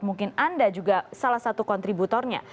mungkin anda juga salah satu kontributornya